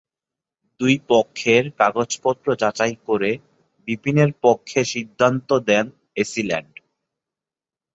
দুই পক্ষের কাগজপত্র যাচাই করে বিপিনের পক্ষে সিদ্ধান্ত দেন এসি ল্যান্ড।